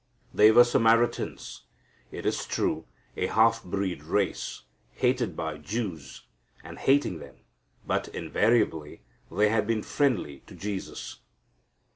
They were Samaritans, it is true, a half breed race, hated by Jews, and hating them, but invariably they had been friendly to Jesus.